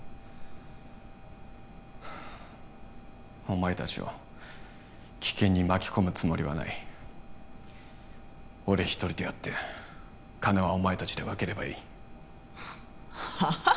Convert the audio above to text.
お前たちを危険に巻き込むつもりはない俺一人でやって金はお前たちで分ければいいはあ！？